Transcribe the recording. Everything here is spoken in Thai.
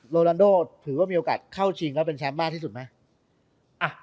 โรลันโดถือว่ามีโอกาสเข้าชิงแล้วเป็นแชมป์มากที่สุดไหม